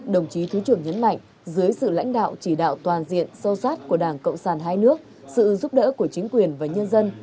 đồng chí thứ trưởng nhấn mạnh dưới sự lãnh đạo chỉ đạo toàn diện sâu sát của đảng cộng sản hai nước sự giúp đỡ của chính quyền và nhân dân